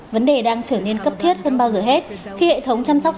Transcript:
vấn đề đang trở nên cấp thiết hơn bao giờ hết khi hệ thống chăm sóc sức khỏe